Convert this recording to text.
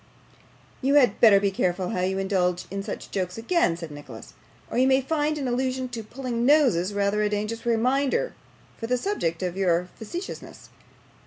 'You had better be careful how you indulge in such jokes again,' said Nicholas, 'or you may find an allusion to pulling noses rather a dangerous reminder for the subject of your facetiousness.